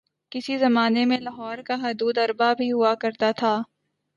کسی زمانے میں لاہور کا حدوداربعہ بھی ہوا کرتا تھا